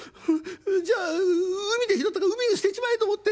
じゃあ海で拾ったから海に捨てちまえと思って。